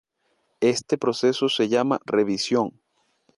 Este proceso se llama revisión.